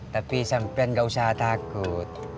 tapi sampe gausah takut